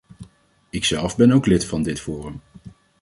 Ikzelf ben ook lid van dit forum.